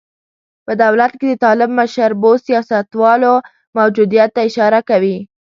په دولت کې د طالب مشربو سیاستوالو موجودیت ته اشاره کوي.